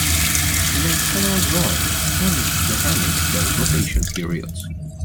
He made several drawings and determined their rotation periods.